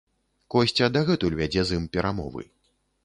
Косця дагэтуль вядзе з ім перамовы.